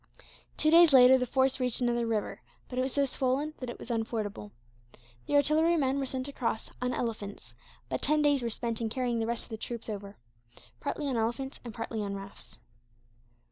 Two days later the force reached another river, but it was so swollen that it was unfordable. The artillerymen were sent across, on elephants; but ten days were spent in carrying the rest of the troops over, partly on elephants and partly on rafts.